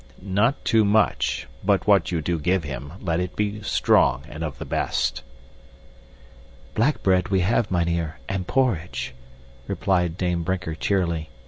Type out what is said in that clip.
Not too much, but what you do give him let it be strong and of the best." "Black bread, we have, mynheer, and porridge," replied Dame Brinker cheerily.